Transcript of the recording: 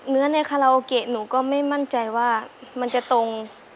เนื้อในคาราโอเกะหนูก็ไม่มั่นใจว่ามันจะตรง